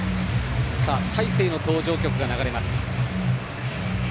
さあ、大勢の登場曲が流れます。